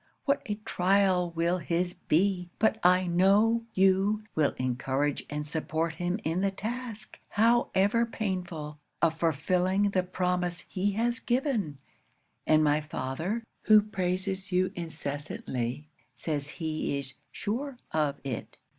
what a trial will his be! But I know you will encourage and support him in the task, however painful, of fulfilling the promise he has given; and my father, who praises you incessantly, says he is sure of it.